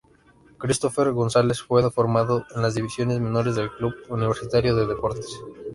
Christofer Gonzales fue formado en las divisiones menores del Club Universitario de Deportes.